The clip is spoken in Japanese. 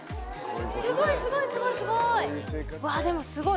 すごいすごいすごいすごい。